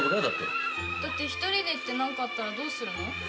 だって１人で行って何かあったらどうするの？